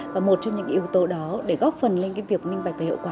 và một trong những yếu tố đó để góp phần lên cái việc minh bạch và hiệu quả